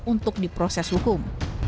untuk diproses hukum